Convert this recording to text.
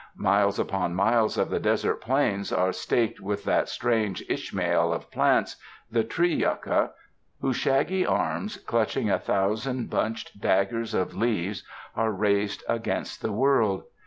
Miles upon miles of the desert plains are staked with that strange Ishmael of plants, the tree yucca, whose shaggy arms, clutching a thousand bunched daggers of leaves, are raised against the world.